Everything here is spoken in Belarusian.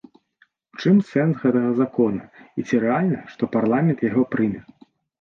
У чым сэнс гэтага закона і ці рэальна, што парламент яго прыме?